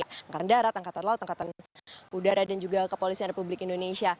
angkaran darat angkatan laut angkatan udara dan juga kepolisian republik indonesia